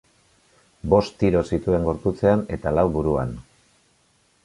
Bost tiro zituen gorputzean eta lau buruan.